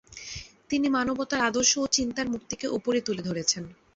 তিনি মানবতার আদর্শ ও চিন্তার মুক্তিকে ওপরে তুলে ধরেছেন।